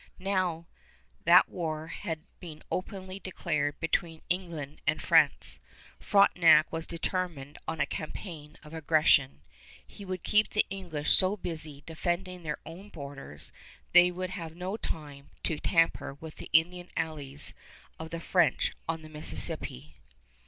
Now that war had been openly declared between England and France, Frontenac was determined on a campaign of aggression. He would keep the English so busy defending their own borders that they would have no time to tamper with the Indian allies of the French on the Mississippi.